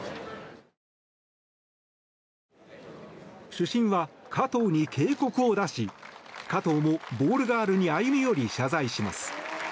主審は加藤に警告を出し加藤もボールガールに歩み寄り謝罪します。